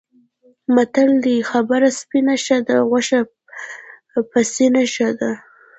متل دی: خبره سپینه ښه ده، غوښه پسینه ښه ده.